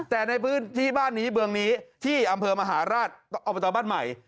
แต่ในพื้นที่บ้านนี้เมืองนี้ที่อำเภอมหาราชอบตบ้านใหม่